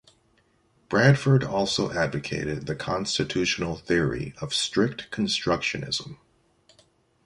Bradford also advocated the constitutional theory of strict constructionism.